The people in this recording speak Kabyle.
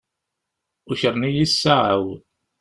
Ukren-iyi ssaɛa-w.